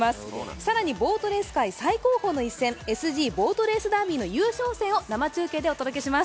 更にボートレース界最高峰の一戦、ＳＧボートレースダービーの優勝戦を生中継でお届けします。